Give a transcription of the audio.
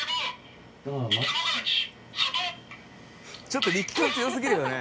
「ちょっと力感強すぎるよね」